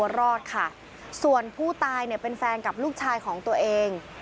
รอดค่ะส่วนผู้ตายเนี่ยเป็นแฟนกับลูกชายของตัวเอง